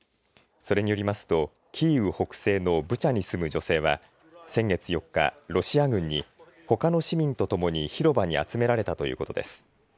それによりますとキーウ北西のブチャに住む女性は先月４日、ロシア軍にほかの市民とともに広場に集められたということです。